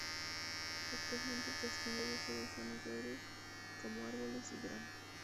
Actualmente el castillo goza de zonas verdes como árboles y grama.